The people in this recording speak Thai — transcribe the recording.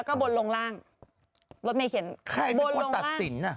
ใครเป็นคนตัดสิน